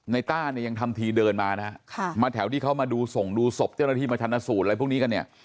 ต้าเนี่ยยังทำทีเดินมานะฮะมาแถวที่เขามาดูส่งดูศพเจ้าหน้าที่มาชันสูตรอะไรพวกนี้กันเนี่ย